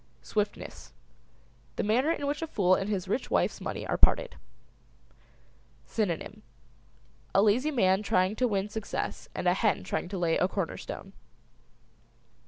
SWIFTNESS. The manner in which a fool and his rich wife's money are parted. SYNONYM. A lazy man trying to win success and a hen trying to lay a corner stone.